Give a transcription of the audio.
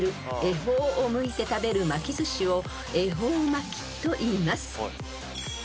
ほうを向いて食べる巻きずしをえほう巻きといいます］